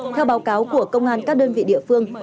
theo báo cáo của công an các đơn vị địa phương